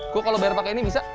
gue kalau bayar pakai ini bisa